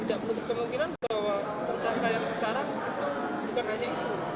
tidak menutup kemungkinan bahwa tersangka yang sekarang itu bukan hanya itu